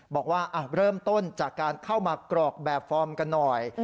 บอกว่าเริ่มต้นจากการเข้ามากรอกแบบฟอร์มกันหน่อย